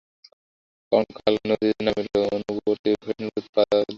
কঙ্কাল নদীতে নামিল, অনুবর্তী ফণিভূষণও জলে পা দিল।